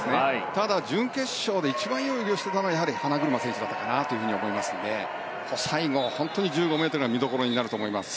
ただ、準決勝で一番いい泳ぎをしていたのはやはり花車選手だったかなと思いますので最後、本当に１５ｍが見どころになると思います。